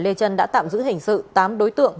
lê trân đã tạm giữ hình sự tám đối tượng